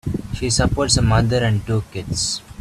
She supports a mother and two kids.